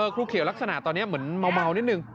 ครูเขียวลักษณะตอนนี้เหมือนเมานิดนึง